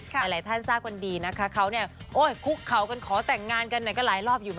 ไปหลายท่านซากวันดีนะคะ